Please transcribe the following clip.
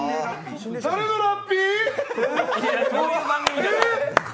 誰のラッピー？